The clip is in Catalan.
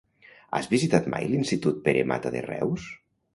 Has visitat mai l'institut Pere Mata de Reus?